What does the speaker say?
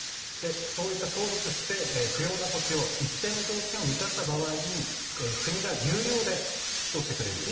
そういった相続して不要な土地を一定の条件を満たした場合に国が有料で引き取ってくれると。